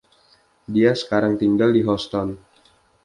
Dia sekarang tinggal di Houston.